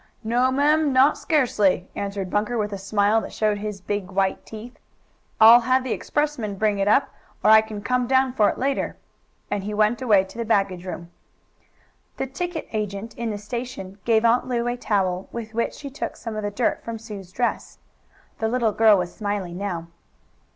"No'm, not scarcely," answered Bunker with a smile that showed his big, white teeth. "I'll have the expressman bring it up, or I can come down for it later," and he went away to the baggage room. The ticket agent in the station gave Aunt Lu a towel, with which she took some of the dirt from Sue's dress. The little girl was smiling now.